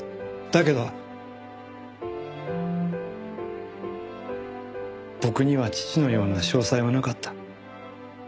だけど僕には父のような商才はなかった。